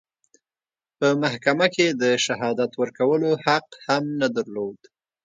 په محکمه کې د شهادت ورکولو حق هم نه درلود.